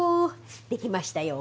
できましたよ。